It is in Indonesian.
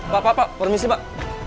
pak pak pak permisi pak